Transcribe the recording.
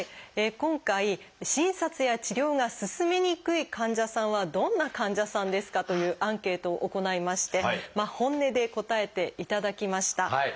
今回「診察や治療が進めにくい患者さんはどんな患者さんですか？」というアンケートを行いまして本音で答えていただきました。